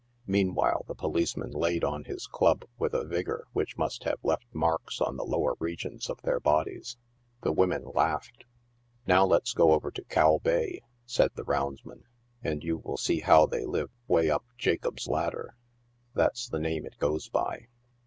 Meanwhile the policeman laid on his club with a vigor which must have left marks on the lower region of their bodies. The women laughed. " Now let us go over to ' Cow Bay,' " said the roundsman, <•' and you will see how they live 'way up Jacob's Ladder ; that's the name it goes by.